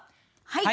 はい。